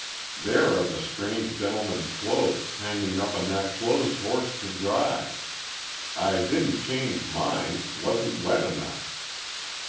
There are the strange gentleman's clothes, hanging up on that clothes horse to dry. I didn't change mine wasn't wet enough."